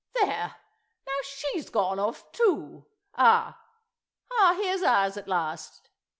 There; now she's gone off too! Ah, here's ours—at last!